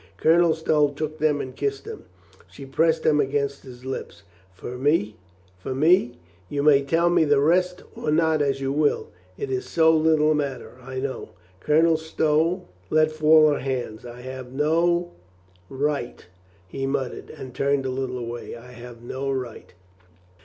Colenel Stow took them and kissed them. She pressed them against his lips. "For me — for me — you may tell me the rest or not as you will. It is so little matter. I know." Colonel Stow let fall her hands. "I have no 4i6 COLONEL GREATHEART right," he muttered and turned a little away. "I have no right."